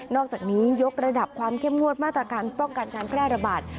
อกจากนี้ยกระดับความเข้มงวดมาตรการป้องกันการแพร่ระบาด